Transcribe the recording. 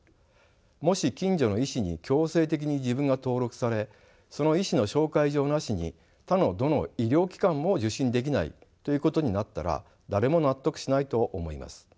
もし近所の医師に強制的に自分が登録されその医師の紹介状なしに他のどの医療機関も受診できないということになったら誰も納得しないと思います。